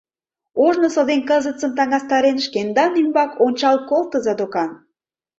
Ожнысо ден кызытсым таҥастарен, шкендан ӱмбак ончал колтыза докан!